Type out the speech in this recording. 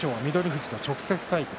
富士との直接対決。